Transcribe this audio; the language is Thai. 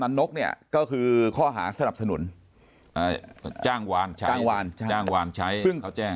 น้ำนกเนี่ยก็คือข้อหาสนับสนุนจ้างว่านจ้างว่านใช้เขาแจ้ง